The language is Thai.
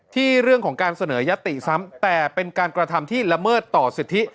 เรื่องของการเสนอยติซ้ำแต่เป็นการกระทำที่ละเมิดต่อสิทธิ